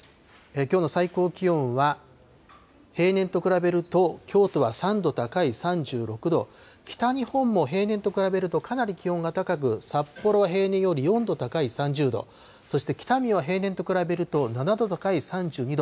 きょうの最高気温は、平年と比べると、京都は３度高い３６度、北日本も平年と比べるとかなり気温が高く、札幌は平年より４度高い３０度、そして北見は平年と比べると７度高い３２度。